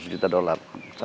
hampir seratus juta dolar